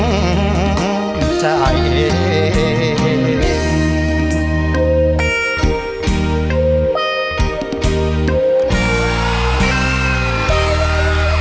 อุบันติเหตุหัวหัวใจหุกรณีรักกันบ่มีส่องเอง